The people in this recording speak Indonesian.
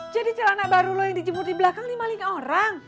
jadi celana baru lo yang dijemur di belakang nih maling orang